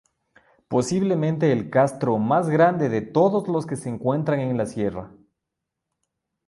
Posiblemente el castro más grande de todos los que se encuentran en la sierra.